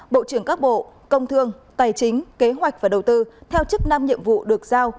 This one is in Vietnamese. bộ trưởng các bộ công thương tài chính kế hoạch và đầu tư theo chức năng nhiệm vụ được giao